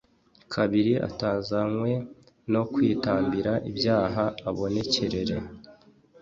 kabiri atazanywe no kwitambira ibyaha abonekerere